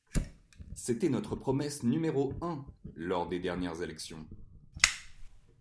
C'était notre promesse numéro un lors des dernières élections.